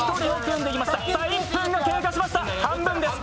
１分が経過しました、半分です。